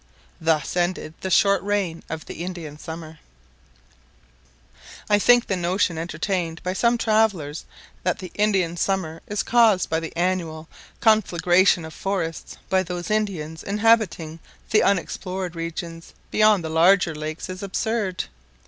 Thus ended the short reign of the Indian summer. [Illustration: Newly cleared Land] I think the notion entertained by some travellers, that the Indian summer is caused by the annual conflagration of forests by those Indians inhabiting the unexplored regions beyond the larger lakes is absurd.